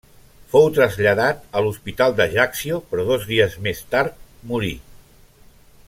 Fou traslladat a l'hospital d'Ajaccio, però dos dies més tard morí.